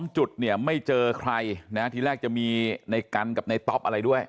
จุดเนี่ยไม่เจอใครนะทีแรกจะมีในกันกับในต๊อปอะไรด้วย